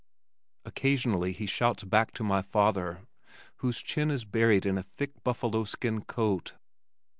Occasionally he shouts back to my father, whose chin is buried in a thick buffalo skin coat.